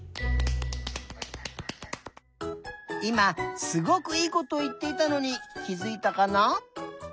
いますごくいいことをいっていたのにきづいたかな？